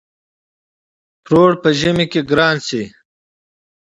پروړ په ژمی کی ګران شی.